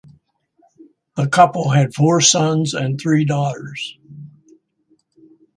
The couple had four sons and three daughters.